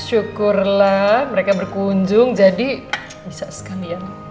syukurlah mereka berkunjung jadi bisa sekalian